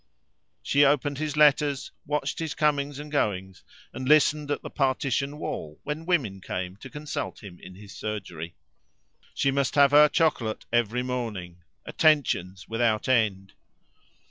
She opened his letter, watched his comings and goings, and listened at the partition wall when women came to consult him in his surgery. She must have her chocolate every morning, attentions without end.